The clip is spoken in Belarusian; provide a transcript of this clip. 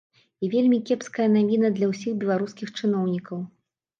І вельмі кепская навіна для ўсіх беларускіх чыноўнікаў.